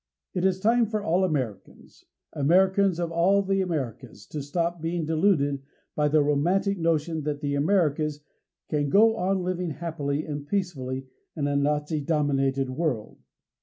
It is time for all Americans, Americans of all the Americas to stop being deluded by the romantic notion that the Americas can go on living happily and peacefully in a Nazi dominated world.